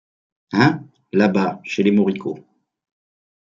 Hein? là-bas, chez les moricauds...